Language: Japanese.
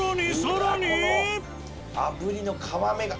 あぶりの皮目が。